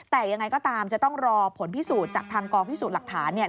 แต่ยังไงก็ตามจะต้องรอผลพิสูจน์จากทางกองพิสูจน์หลักฐานเนี่ย